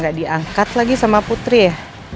kalo dia dibohongin juga dihianatin kan sama putri ya